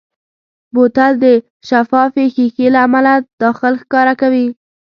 بوتل د شفافې ښیښې له امله داخل ښکاره کوي.